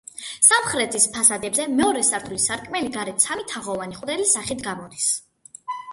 სამხრეთის ფასადებზე მეორე სართულის სარკმელი გარეთ სამი თაღოვანი ხვრელის სახით გამოდის.